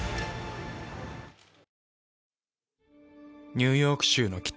ニューヨーク州の北。